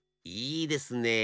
いいですねえ。